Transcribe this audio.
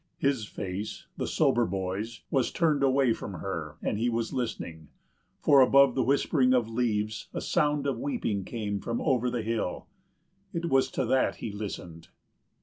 His face the sober boy's—was turned away from her, and he was listening; for above the whispering of leaves a sound of weeping came from over the hill. It was to that he listened.